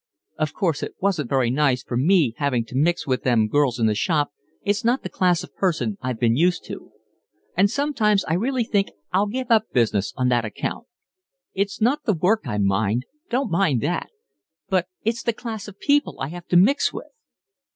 Of course it isn't very nice for me having to mix with them girls in the shop, it's not the class of person I've been used to, and sometimes I really think I'll give up business on that account. It's not the work I mind, don't think that; but it's the class of people I have to mix with."